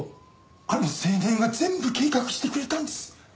あの青年が全部計画してくれたんです。